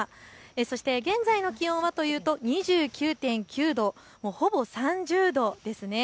そして現在の気温は２９．９度、ほぼ３０度ですね。